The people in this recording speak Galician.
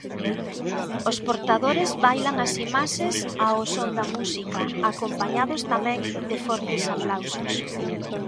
Os portadores bailan as imaxes ao son da música acompañados tamén de fortes aplausos.